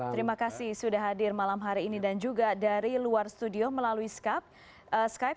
terima kasih sudah hadir malam hari ini dan juga dari luar studio melalui skype